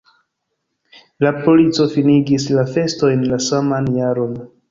La polico finigis la festojn la saman jaron.